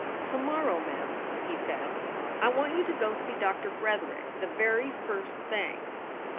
"To morrow, Mem," he said, "I want you to go to see Doctor Bretherick the very first thing."